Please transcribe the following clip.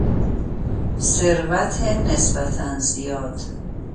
ثروت نسبتا زیاد